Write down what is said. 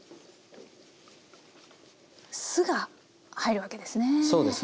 酢が入るわけですね。